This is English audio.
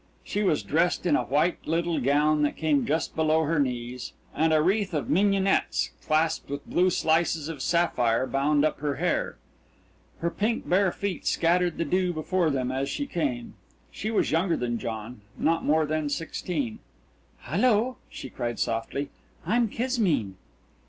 She was dressed in a white little gown that came just below her knees, and a wreath of mignonettes clasped with blue slices of sapphire bound up her hair. Her pink bare feet scattered the dew before them as she came. She was younger than John not more than sixteen. "Hello," she cried softly, "I'm Kismine."